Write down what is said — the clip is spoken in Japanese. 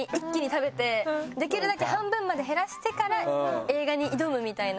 できるだけ半分まで減らしてから映画に挑むみたいな。